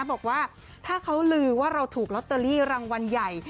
บอกว่าถ้าเขาลือว่าเราถูกลอตเตอรี่รางวัลใหญ่